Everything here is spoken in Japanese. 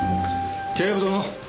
警部殿。